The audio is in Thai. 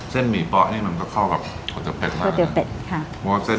เส้นหมีป๊อกมันจะเข้ากับกเกือบเตี๋ยวเป็ด